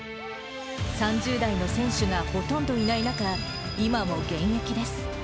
３０代の選手がほとんどいない中、今も現役です。